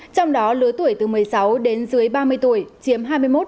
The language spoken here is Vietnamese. trong đó lứa tuổi từ một mươi sáu đến dưới ba mươi tuổi chiếm hai mươi một tám mươi sáu